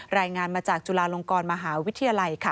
รายงานมาจากจุฬาลงกรมหาวิทยาลัยค่ะ